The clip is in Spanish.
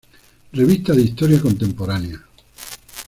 Revista de Historia Contemporánea".